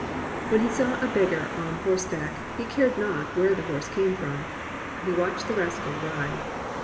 When he saw a beggar on horseback, he cared not where the horse came from, he watched the rascal ride.